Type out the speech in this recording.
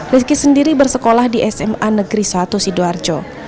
rizky sendiri bersekolah di sma negeri satu sidoarjo